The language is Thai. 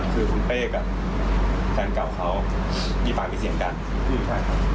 คือคุณเป๊กกับแฟนเก่าเขามีฝั่งพิเศษอย่างกัน